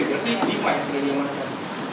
berarti lima yang sudah dimakan